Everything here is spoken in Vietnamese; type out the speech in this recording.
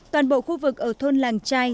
toàn bộ khu vực ở thôn làng trai